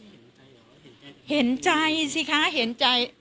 ก็เป็นนักเรียนในโรงเรียนเราแล้วไม่เห็นใจเหรอเห็นใจสิคะเห็นใจ